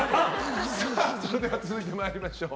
それでは続いてまいりましょう。